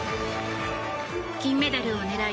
金メダルを狙い